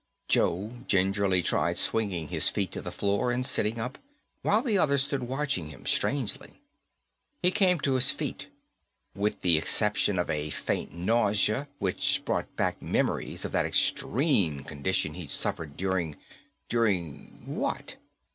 Joe gingerly tried swinging his feet to the floor and sitting up, while the other stood watching him, strangely. He came to his feet. With the exception of a faint nausea, which brought back memories of that extreme condition he'd suffered during ... during what?